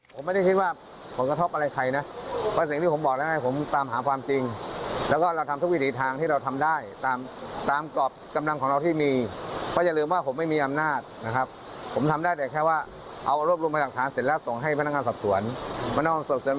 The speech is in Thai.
แล้วเกิดว่าสามารถพิสูจน์ได้ว่าคุณแซ่งให้การเท็จ